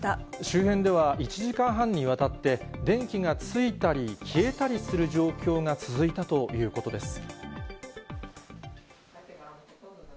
周辺では１時間半にわたって、電気がついたり消えたりする状況が続いたということです。